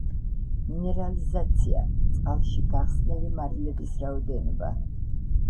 მინერალიზაცია-წყალში გახსნილი მარილების რაოდენობა